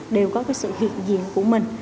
đều có sự hiện diện của mình